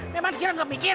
memang kira kira mikir